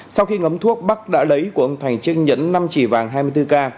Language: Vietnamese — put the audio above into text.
sau khi ngấm thuốc bắc đã lấy của ông thành chiếc nhẫn năm chỉ vàng hai mươi bốn k